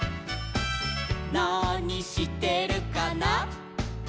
「なにしてるかな」